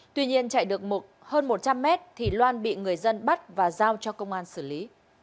tuy nhiên chạy được hơn một trăm linh mét thì loan bị người dân bắt và giao cho công an xử lý